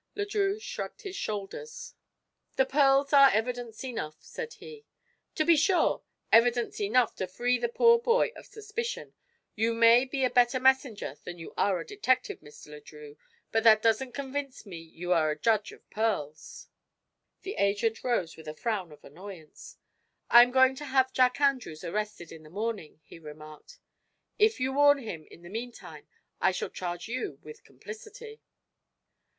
Le Drieux shrugged his shoulders. "The pearls are evidence enough," said he. "To be sure. Evidence enough to free the poor boy of suspicion. You may be a better messenger than you are a detective, Mr. Le Drieux, but that doesn't convince me you are a judge of pearls." The agent rose with a frown of annoyance. "I am going to have Jack Andrews arrested in the morning," he remarked. "If you warn him, in the meantime, I shall charge you with complicity."